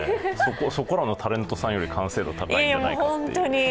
そこらのタレントさんより完成度が高いんじゃないかと。